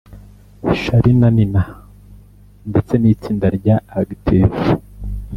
Charly na Nina ndetse n’itsinda rya Active